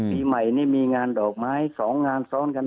ปีใหม่นี่มีงานดอกไม้๒งานซ้อนกัน